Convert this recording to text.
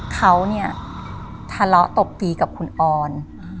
เขาเนี่ยทะเลาะตบตีกับคุณออน